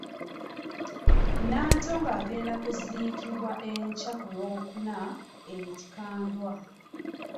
Nantongo agenda kuziikibwa enkya ku Lwokuna e Kikandwa.